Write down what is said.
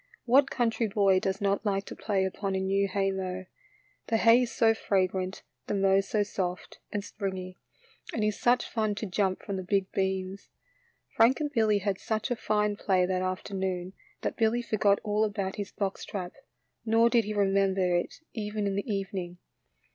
What country boy does not like to play upon a new haymow? The hay is so fragrant, the mow so soft and springy, and it is such fun to jump from the big beams. Frank and Billy had such a fine play that afternoon that Billy forgot all about his box trap, nor did he remember it even in the evening.